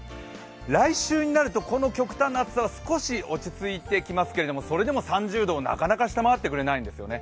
来週になるとこの極端な暑さは少し落ち着いてきますけれども、それでも３０度をなかなか下回ってくれないんですよね。